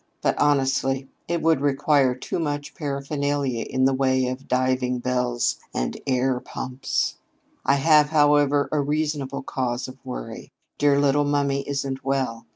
But, honestly, it would require too much paraphernalia in the way of diving bells and air pumps. "I have, however, a reasonable cause of worry. Dear little mummy isn't well.